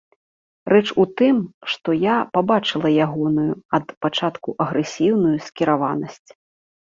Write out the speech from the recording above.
Рэч у тым, што я пабачыла ягоную ад пачатку агрэсіўную скіраванасць.